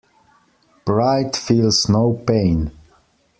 Pride feels no pain.